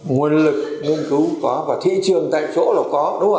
nguồn lực nghiên cứu có và thị trường tại chỗ là có